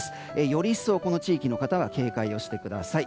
より一層、この地域の方は警戒をしてください。